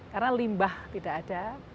karena limbah tidak ada